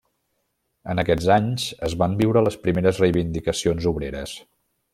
En aquests anys es van viure les primeres reivindicacions obreres.